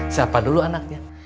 siapa dulu anaknya